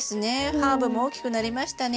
ハーブも大きくなりましたね。